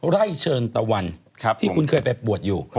เชิญตะวันที่คุณเคยไปบวชอยู่